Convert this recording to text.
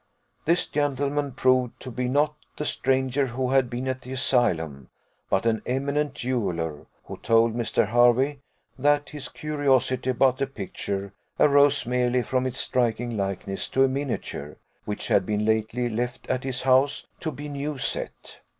This gentleman proved to be not the stranger who had been at the Asylum, but an eminent jeweller, who told Mr. Hervey that his curiosity about the picture arose merely from its striking likeness to a miniature, which had been lately left at his house to be new set.